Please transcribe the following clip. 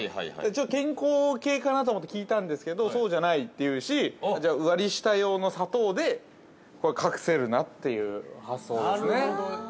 健康系かなと思って聞いたんですけど、そうじゃないというし、割り下用の砂糖で隠せるなという発想ですね。